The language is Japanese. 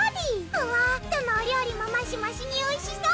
ふわどのお料理もマシマシにおいしそう！